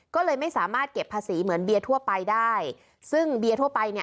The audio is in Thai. ก็เลยไม่สามารถเก็บภาษีเหมือนเบียร์ทั่วไปได้ซึ่งเบียร์ทั่วไปเนี่ย